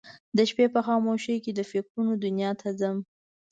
د شپې په خاموشۍ کې د فکرونه دنیا ته ځم